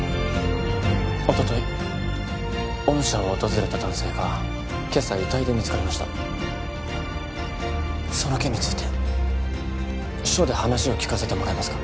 おととい御社を訪れた男性が今朝遺体で見つかりましたその件について署で話を聞かせてもらえますか？